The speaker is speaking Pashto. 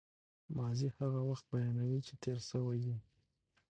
ماضي هغه وخت بیانوي، چي تېر سوی يي.